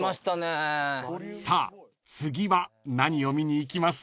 ［さあ次は何を見に行きます？］